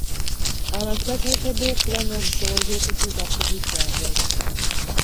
Abantu bateekeddwa okuba n'obusobozi okutuuka ku bujjanjabi.